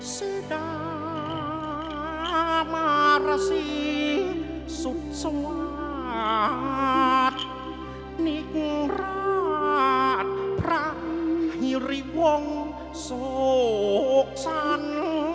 สุดามารสีสุดสวาสนิกราชพระหิริวงศูกษัณฑ์